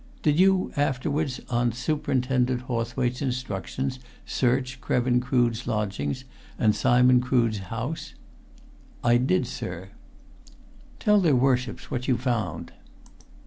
"Did you afterwards, on Superintendent Hawthwaite's instructions, search Krevin Crood's lodgings and Simon Crood's house?" "I did, sir." "Tell their Worships what you found."